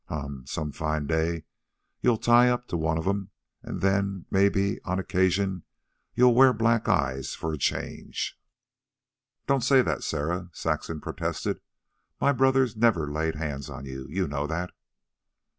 Huh! Some fine day you'll tie up to one of 'em, an' then, mebbe, on occasion, you'll wear black eyes for a change." "Don't say that, Sarah," Saxon protested. "My brother never laid hands on you. You know that."